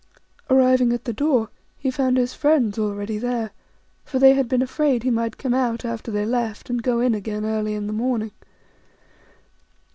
Arriving at the door, he found his friends already there ; for they had been afraid he might come out after they left, and go in again early in the morning.